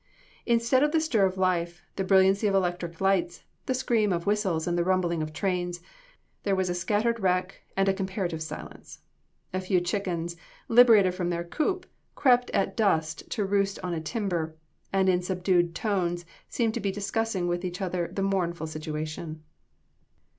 Instead of the stir of life, the brilliancy of electric lights, the scream of whistles and the rumbling of trains, there was a scattered wreck, and comparative silence. A few chickens, liberated from their coop, crept at dusk to roost on a timber, and in subdued tones seemed to be discussing with each other the mournful situation.